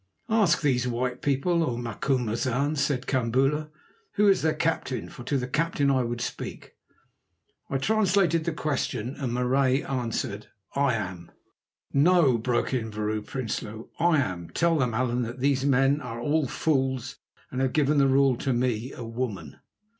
"Ask these white people, O Macumazahn," said Kambula, "who is their captain, for to the captain I would speak." I translated the question, and Marais answered: "I am." "No," broke in Vrouw Prinsloo, "I am. Tell them, Allan, that these men are all fools and have given the rule to me, a woman."